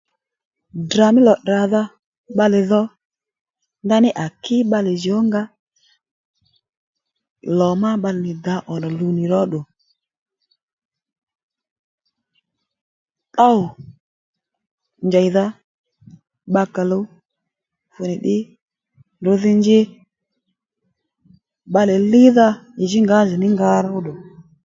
Ddrà mí lò tdràdha bbalè dho ndaní à kí bbalè jǔw ó nga lò má bbalè nì dǎ ǒnò nì róddù tdôw njèydha bbakà ò luw fúnì ddí ndrǔdhí njí bbalè lídha ì dhí ngǎjìní nga róddù